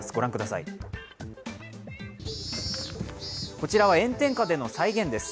こちらは炎天下での再現です。